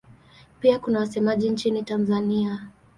Pia kuna wasemaji nchini Tanzania.